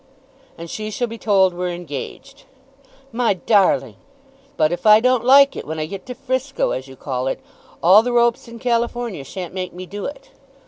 "And she shall be told we're engaged." "My darling!" "But if I don't like it when I get to Frisco, as you call it, all the ropes in California shan't make me do it.